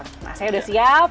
nah saya udah siap